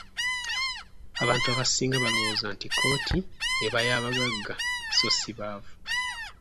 Abantu abasinga balowooza nti kkooti eba y'abagagga so si baavu.